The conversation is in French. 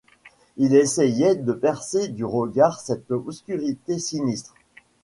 Il essayait de percer du regard cette obscurité sinistre.